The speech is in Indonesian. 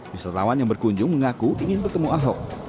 wisatawan yang berkunjung mengaku ingin bertemu ahok